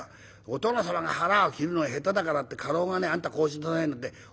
お殿様が腹を切るのが下手だからって家老がねあんたこうしなさいなんて教える。